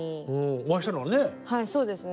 お会いしたのはね。